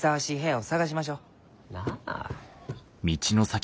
なあ。